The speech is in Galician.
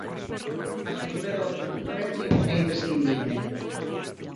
A figura do agricultor activo é imprescindible.